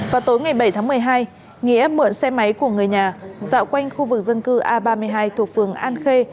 vào tối ngày bảy tháng một mươi hai nghĩa mượn xe máy của người nhà dạo quanh khu vực dân cư a ba mươi hai thuộc phường an khê